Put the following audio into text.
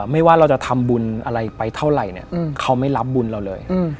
ไม่ว่าเราจะทำบุญอะไรไปเท่าไหร่เนี่ยเขาไม่รับบุญเราเลย